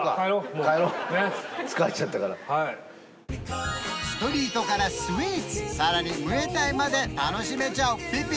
もう帰ろう疲れちゃったからストリートからスイーツさらにムエタイまで楽しめちゃうピピ